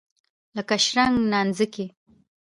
لکه شرنګ نانځکې.